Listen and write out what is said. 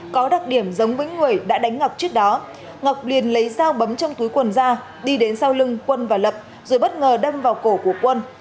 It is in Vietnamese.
có đặc điểm giống với người đã đánh ngọc trước đó ngọc liền lấy dao bấm trong túi quần ra đi đến sau lưng quân và lập rồi bất ngờ đâm vào cổ của quân